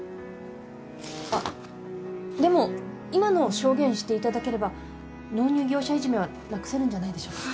あっでも今のを証言していただければ納入業者いじめはなくせるんじゃないでしょうか？